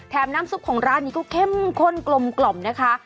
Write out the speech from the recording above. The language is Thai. น้ำซุปของร้านนี้ก็เข้มข้นกลมนะคะ